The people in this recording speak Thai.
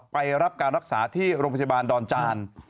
ไปรับการรักษาที่โรงพยาบาลดอนจาน